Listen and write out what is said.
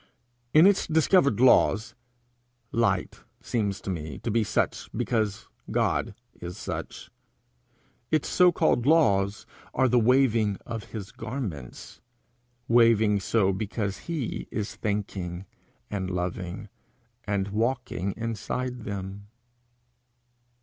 In its discovered laws, light seems to me to be such because God is such. Its so called laws are the waving of his garments, waving so because he is thinking and loving and walking inside them.